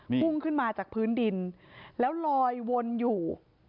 พุ่งขึ้นมาจากพื้นดินแล้วลอยวนอยู่